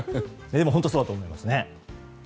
でも、本当にそうだと思います。